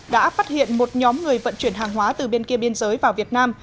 đã phát hiện một nhóm người vận chuyển hàng hóa từ bên kia biên giới vào việt nam